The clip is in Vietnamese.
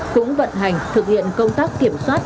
cũng vận hành thực hiện công tác kiểm soát